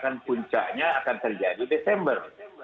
dan puncaknya akan terjadi desember